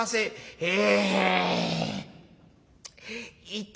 へえ。